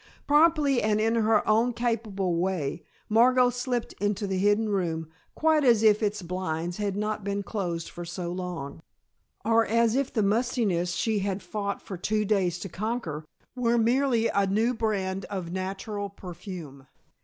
Promptly and in her own capable way, Margot slipped into the hidden room, quite as if its blinds had not been closed for so long, or as if the mustiness she had fought for two days to conquer, were merely a new brand of natural perfume.